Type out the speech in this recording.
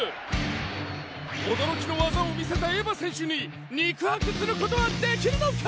驚きの技を見せたエヴァ選手に肉薄する事はできるのか！？